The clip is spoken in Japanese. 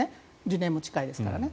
理念も近いですからね。